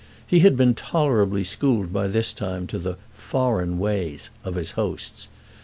He had been tolerably schooled by this time to the "foreign ways" of his hosts.